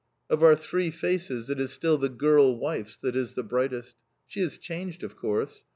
Of our three faces it is still the girl wife's that is the brightest. She has changed, of course.